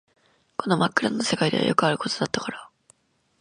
この真っ暗な世界ではよくあることだったから